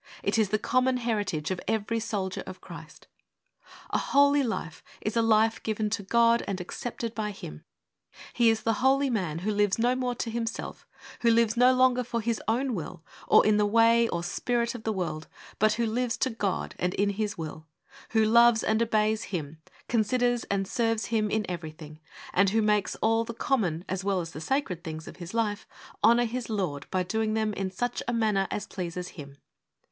It is the common heritage of every Soldier of Christ. A holy life is a life given to God and accepted by Him. He is the holy man who lives no more to himself; who lives no longer for his own will, or in the way or spirit of the world, but who lives to God and in His will ; who loves and obeys Him, considers and serves Him in everything, and who makes all the common, as well as the sacred, things of his life honour his Lord by doing them in such a manner as pleases Him.